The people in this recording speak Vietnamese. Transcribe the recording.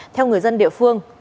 theo người dân địa phương